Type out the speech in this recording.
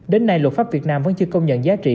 đến nay luật pháp việt nam vẫn chưa công nhận giá trị